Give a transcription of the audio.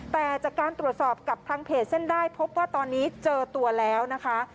แต่จากการตรวจสอบกับทางเพจเส้นได้พบว่าตอนนี้เจอตัวแล้วนะคะ